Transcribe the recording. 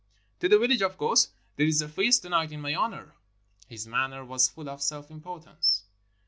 "To the village, of course. There is a feast to night in my honor." His manner was full of self importance.